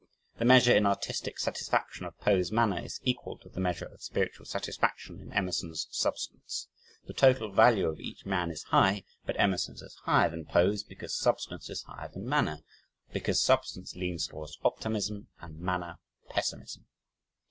The measure in artistic satisfaction of Poe's manner is equal to the measure of spiritual satisfaction in Emerson's "substance." The total value of each man is high, but Emerson's is higher than Poe's because "substance" is higher than "manner" because "substance" leans towards optimism, and "manner" pessimism.